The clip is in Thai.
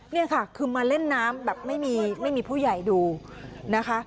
นี่ค่ะคือมาเล่นน้ำแบบไม่มีไม่มีผู้ใหญ่ดูนะคะ